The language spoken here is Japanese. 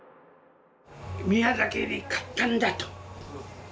宮崎に勝ったんだ！と。